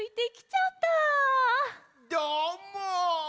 どーも。